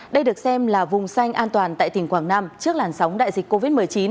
đây được xem là vùng xanh an toàn tại tỉnh quảng nam trước làn sóng đại dịch covid một mươi chín